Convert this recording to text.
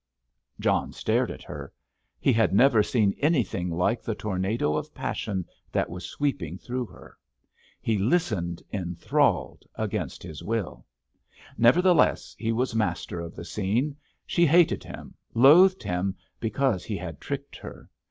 John stared at her. He had never seen anything like the tornado of passion that was sweeping through her. He listened, enthralled, against his will. Nevertheless, he was master of the scene. She hated him—loathed him—because he had tricked her.